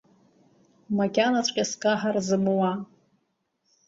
Макьанаҵәҟьа скаҳар зымуа?